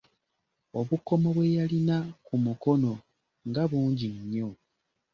Obukomo bwe yalina ku mukono, nga bungi nnyo!